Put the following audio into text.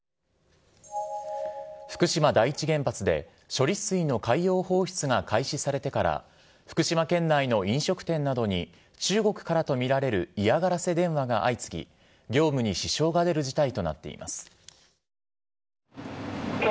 福島第一原発で、処理水の海洋放出が開始されてから福島県内の飲食店などに中国からと見られる嫌がらせ電話が相次ぎ、業務に支障が出る事態となっています。